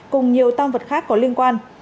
cùng nhiều tăng vật khác có liên quan